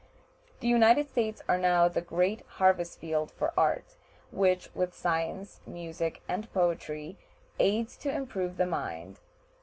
The United States are now the great harvest field for art, which, with science, music, and poetry, aids to improve the mind.